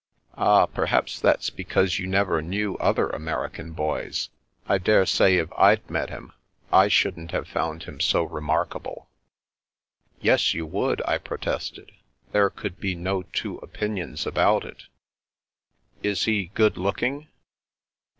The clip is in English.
"Ah, perhaps that's because you never knew other American boys. I dare say if Fd met him I shouldn't have fotmd him so remarkable." " Yes, you would," I protested. " There could be no two opinions about it." " Is he good looking